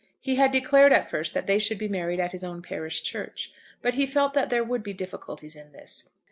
He had declared at first that they should be married at his own parish church; but he felt that there would be difficulties in this.